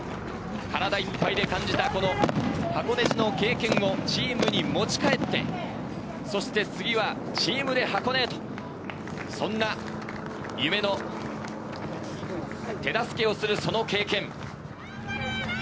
体いっぱいで感じた箱根路の経験をチームに持ち帰って、次はチームで箱根へと、そんな夢の手助けをする経験。